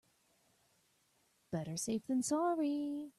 Better safe than sorry.